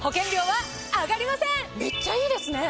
めっちゃいいですね！